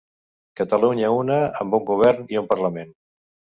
Catalunya una, amb un govern i un parlament.